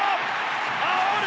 あおる！